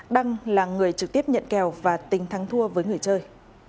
đăng là người trực tiếp nhận kèo và tình thắng thua với người chơi